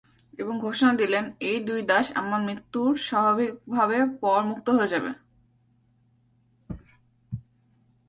এবং ঘোষণা দিলেন এই দুই দাস আমার মৃত্যুর স্বাভাবিকভাবে পর মুক্ত হয়ে যাবে।